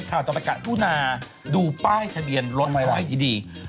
ข่าวต่อไปกับฮุนาดูป้ายทะเบียนรถไหวดี